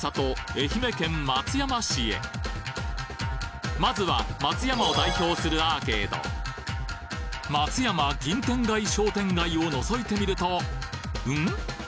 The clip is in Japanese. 愛媛県松山市へまずは松山を代表するアーケード松山銀天街商店街を覗いてみるとん？